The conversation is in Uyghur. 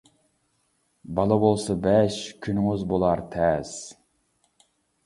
-بالا بولسا بەش؟ -كۈنىڭىز بولار تەس.